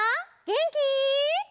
げんき？